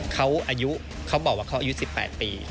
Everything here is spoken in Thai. เขาอายุเขาบอกว่าเขาอายุ๑๘ปี